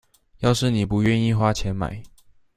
要是妳不願意花錢買